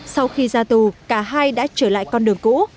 sau khi ra tù cả hai đã trở lại con đường cũ